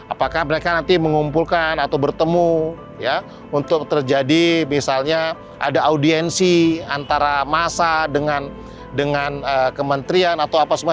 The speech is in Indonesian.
apakah mereka nanti mengumpulkan atau bertemu ya untuk terjadi misalnya ada audiensi antara masa dengan kementerian atau apa semua